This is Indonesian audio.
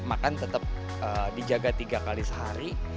makan tetap dijaga tiga kali sehari